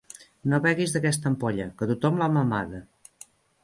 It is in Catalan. No beguis d'aquesta ampolla, que tothom l'ha mamada.